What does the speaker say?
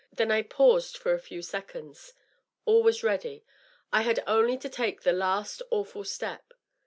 Then I paused for a few seconds. All was ready. I had only to take the last awful step.